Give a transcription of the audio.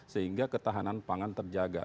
sehingga ketahanan pangan terjaga